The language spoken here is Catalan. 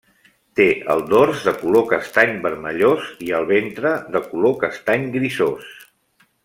Té el dors de color castany vermellós i el ventre de color castany grisós.